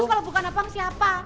apa terus kalo bukan abang siapa